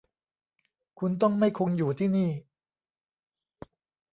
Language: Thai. คุณต้องไม่คงอยู่ที่นี่